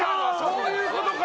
そういうことか！